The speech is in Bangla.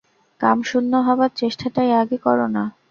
কামশূন্য হবার চেষ্টাটাই আগে কর না।